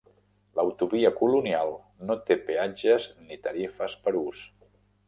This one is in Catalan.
L'autovia Colonial no té peatges ni tarifes per ús.